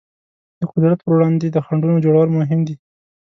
د قدرت پر وړاندې د خنډونو جوړول مهم دي.